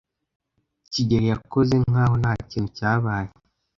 kigeli yakoze nkaho ntakintu cyabaye.